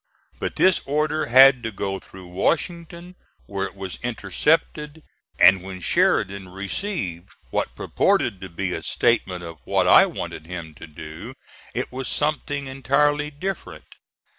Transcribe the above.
But this order had to go through Washington where it was intercepted; and when Sheridan received what purported to be a statement of what I wanted him to do it was something entirely different.